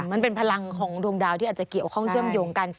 มันเป็นพลังของดวงดาวที่อาจจะเกี่ยวข้องเชื่อมโยงกัน